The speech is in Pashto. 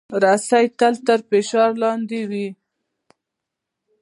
رسۍ تل تر فشار لاندې وي.